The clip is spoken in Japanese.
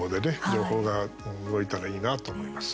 両方が動いたらいいなと思います。